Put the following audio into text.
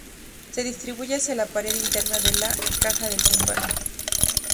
Se distribuye hacia la pared interna de la "caja del tímpano".